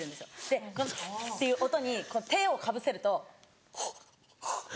でこのスッっていう音に手をかぶせると。